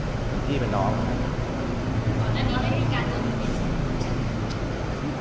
เพราะงั้นแล้วอะไรขึ้นกันนี่